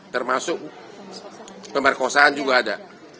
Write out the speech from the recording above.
termasuk pemerkosaan juga ada